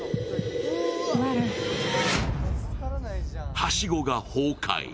はしごが崩壊。